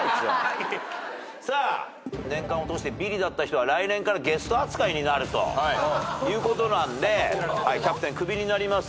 さあ年間を通してビリだった人は来年からゲスト扱いになるということなんでキャプテン首になります。